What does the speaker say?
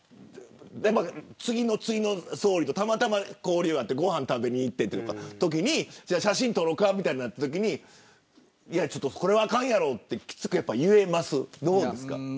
次の次の総理とたまたま交流があってご飯食べに行って写真撮ろうかとなったときにこれはあかんやろってきつく言えますか。